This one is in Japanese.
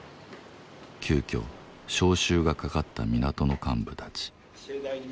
急きょ招集がかかった港の幹部たち